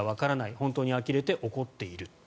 本当にあきれて怒っている。